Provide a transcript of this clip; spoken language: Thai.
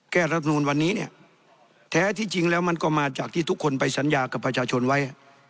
รัฐนูลวันนี้เนี่ยแท้ที่จริงแล้วมันก็มาจากที่ทุกคนไปสัญญากับประชาชนไว้